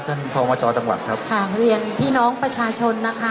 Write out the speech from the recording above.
ท่านพมจอจังหวัดครับค่ะเรียนพี่น้องประชาชนนะคะ